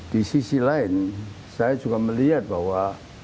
di sisi lain saya juga melihat bahwa